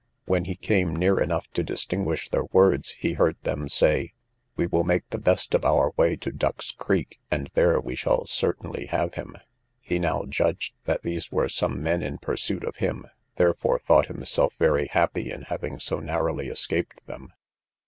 When he came near enough to distinguish their words, he heard them say, we will make the best of our way to Duck's Creek, and there we shall certainly have him. He now judged that these were some men in pursuit of him, therefore thought himself very happy in having so narrowly escaped them.